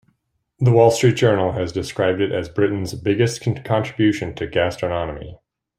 "The Wall Street Journal" has described it as Britain's "biggest contribution to gastronomy".